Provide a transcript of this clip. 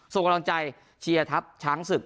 ส่งกำลังใจเชียร์ทัพช้างศึก